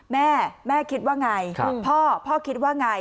แม่แม่คิดว่าไงพ่อพ่อคิดว่าไง